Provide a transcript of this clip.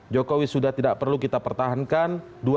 jokowi sudah tidak perlu kita pertahankan dua ribu sembilan belas